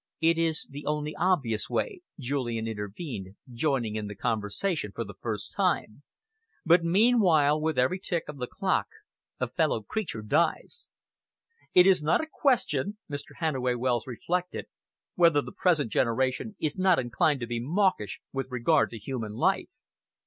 "It is the only obvious way," Julian intervened, joining in the conversation for the first time, "but meanwhile, with every tick of the clock a fellow creature dies." "It is a question," Mr. Hannaway Wells reflected, "whether the present generation is not inclined to be mawkish with regard to human life.